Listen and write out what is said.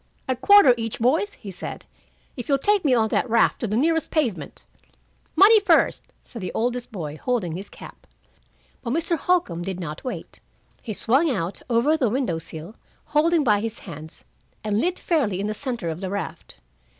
"A quarter each, boys," he said, "if you'll take me on that raft to the nearest pavement." "Money first," said the oldest boy, holding his cap. But Mr. Holcombe did not wait. He swung out over the window sill, holding by his hands, and lit fairly in the center of the raft.